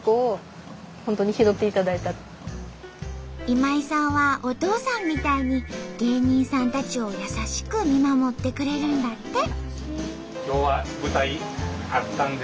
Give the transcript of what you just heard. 今井さんはお父さんみたいに芸人さんたちを優しく見守ってくれるんだって。